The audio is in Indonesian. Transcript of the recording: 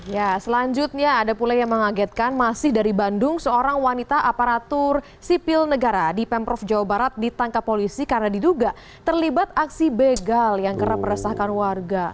ya selanjutnya ada pula yang mengagetkan masih dari bandung seorang wanita aparatur sipil negara di pemprov jawa barat ditangkap polisi karena diduga terlibat aksi begal yang kerap meresahkan warga